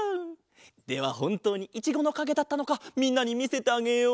ではほんとうにいちごのかげだったのかみんなにみせてあげよう！